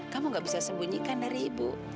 kamu gak bisa sembunyikan dari ibu